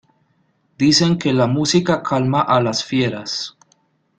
Dicen que la música calma a las fieras.